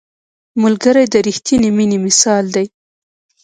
ملګری د رښتیني مینې مثال دی